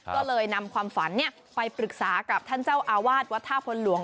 ก็เลยนำความฝันไปปรึกษากับท่านเจ้าอาวาสวัดท่าพลหลวง